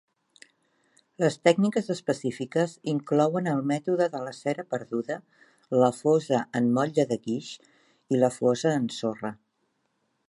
Les tècniques específiques inclouen el mètode de la cera perduda, la fosa en motlle de guix i la fosa en sorra.